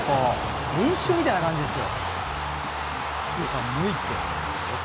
練習みたいな感じですよ。